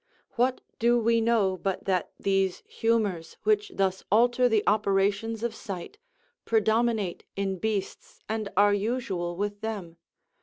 What do we know but that these humours, which thus alter the operations of sight, predominate in beasts, and are usual with them?